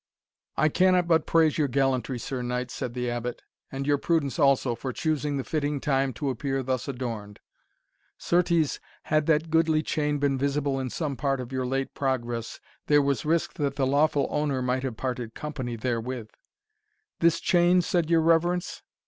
"I cannot but praise your gallantry, Sir Knight," said the Abbot, "and your prudence, also, for choosing the fitting time to appear thus adorned. Certes, had that goodly chain been visible in some part of your late progress, there was risk that the lawful owner might have parted company therewith." "This chain, said your reverence?"